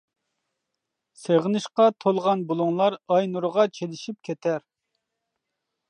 سېغىنىشقا تولغان بۇلۇڭلار ئاي نۇرىغا چىلىشىپ كېتەر.